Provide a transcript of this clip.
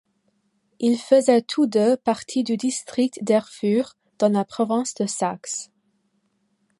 Ils faisaient tous deux partie du district d'Erfurt, dans la province de Saxe.